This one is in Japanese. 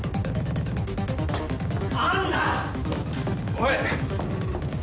おい！